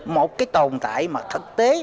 một cái tồn tại mà thật sự không thể